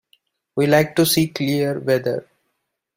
We like to see clear weather.